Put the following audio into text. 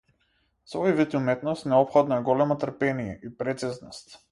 За овој вид уметност неопходно е големо трпение и прецизност.